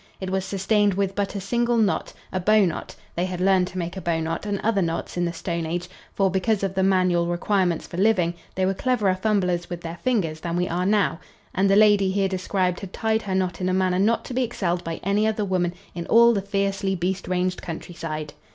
It was sustained with but a single knot, a bow knot they had learned to make a bow knot and other knots in the stone age, for, because of the manual requirements for living, they were cleverer fumblers with their fingers than we are now and the lady here described had tied her knot in a manner not to be excelled by any other woman in all the fiercely beast ranged countryside.